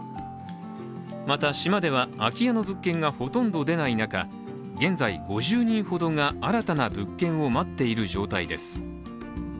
また島では空き家の物件がほとんど出ない中、現在５０人ほどが新たな物件を待っている状態です。